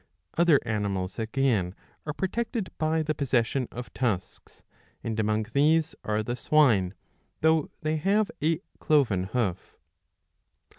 Other animals again are protected by the possession of tusks ; and among these are the swine, though they have a cloven hoof.